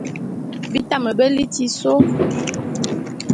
Bi tame be liti sô.